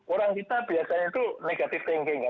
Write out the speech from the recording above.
orang kita biasanya itu negatif thinking